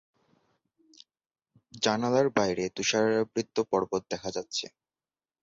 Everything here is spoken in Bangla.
জানালার বাইরে তুষারাবৃত পর্বত দেখা যাচ্ছে।